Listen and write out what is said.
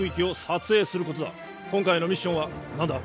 今回のミッションは何だ？